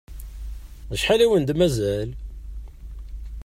Acḥal i wen-d-mazal?